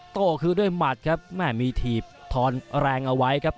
โต้คืนด้วยหมัดครับแม่มีถีบทอนแรงเอาไว้ครับ